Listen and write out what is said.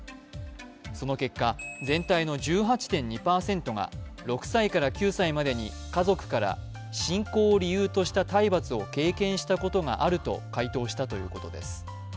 その結果、全体の１８．２％が６歳から９歳までに家族から信仰を理由とした体罰を経験したことがあると回答したということです。